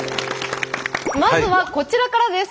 まずはこちらからです。